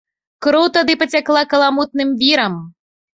Кроў тады пацякла каламутным вірам.